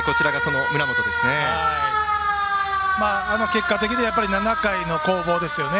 結果的にはあの７回の攻防ですね。